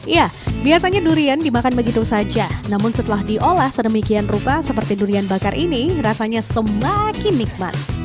ya biasanya durian dimakan begitu saja namun setelah diolah sedemikian rupa seperti durian bakar ini rasanya semakin nikmat